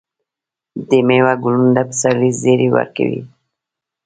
د میوو ګلونه د پسرلي زیری ورکوي.